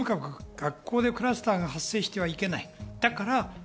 学校でクラスターは発生してはいけない。